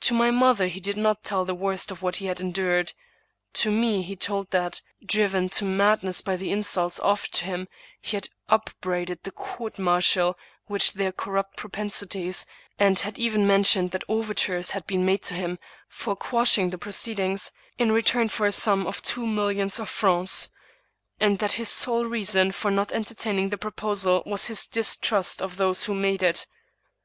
To my mother he did not tell the worst of what he had endured. To me he told that, driven to madness by the insults offered to him, he had upbraided the court mar tial with their corrupt propensities, and had even mentioned that overtures had been made to him for quashing the pro ceedings in return for a sum of two millions of francs ; and that his sole reason for not entertaining the proposal was his distrust of those who made it.